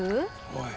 おい。